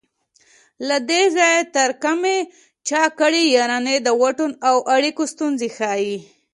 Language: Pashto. له دې ځای تر کامې چا کړي یارانې د واټن او اړیکو ستونزې ښيي